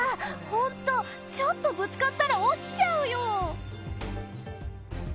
本当、ちょっとぶつかったら落ちちゃうよ！